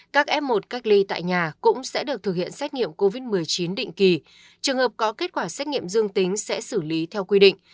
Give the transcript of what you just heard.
các f một cách ly tại nhà cũng sẽ được thực hiện xét nghiệm covid một mươi chín định kỳ trường hợp có kết quả xét nghiệm dương tính sẽ xử lý theo quy định